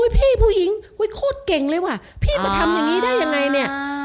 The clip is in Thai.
พี่ผู้หญิงโคตรเก่งเลยว่ะพี่มาทำอย่างนี้ได้ยังไงเนี่ย